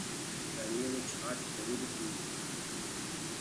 گرميو مي ڇآچ جرور پيٚڻي کپي۔